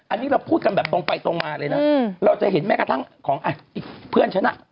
อันนี้เราพูดกันแบบตรงไปตรงมาเลยนะเราจะเห็นแม้กระทั่งของอีกเพื่อนฉันอ่ะ